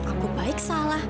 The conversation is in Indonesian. aku baik salah